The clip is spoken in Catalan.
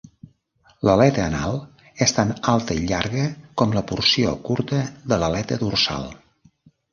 L'aleta anal és tan alta i llarga com la porció curta de l'aleta dorsal.